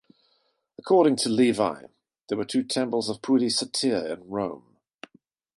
According to Livy, there were two temples of Pudicitia in Rome.